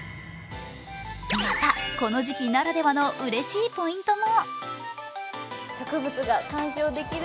また、この時期ならではのうれしいポイントも。